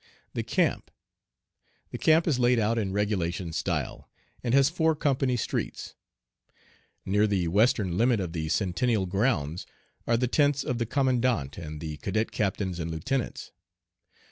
"The camp. The camp is laid out in regulation style, and has four company streets. Near the western limit of the Centennial grounds are the tents of the commandant and the cadet captains and lieutenants.